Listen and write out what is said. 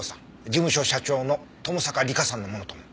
事務所社長の友坂梨香さんのものとも。